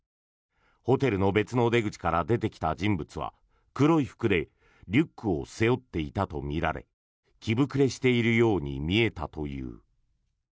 ホテルの別の出口から出てきた人物は、黒い服でリュックを背負っていたとみられ着膨れしているように見えたという。